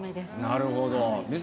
なるほど。